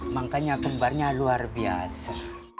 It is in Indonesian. makanya kembarnya luar biasa